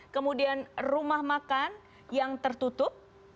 kemudian rumah makan yang tertutup